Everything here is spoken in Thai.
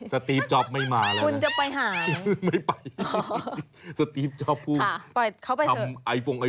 สตีฟจ๊อบไม่มาแล้วนะ